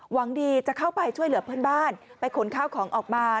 หวังดีจะเข้าไปช่วยเหลือเพื่อนบ้านไปขนข้าวของออกมา